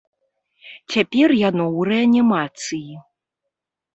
Цяпер яно ў рэанімацыі.